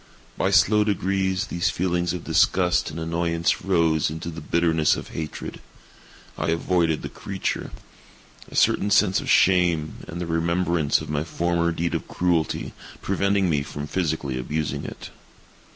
By slow degrees, these feelings of disgust and annoyance rose into the bitterness of hatred. I avoided the creature; a certain sense of shame, and the remembrance of my former deed of cruelty, preventing me from physically abusing it.